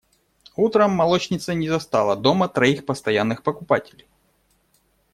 Утром молочница не застала дома троих постоянных покупателей.